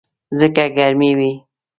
ځکه ګرمي وي.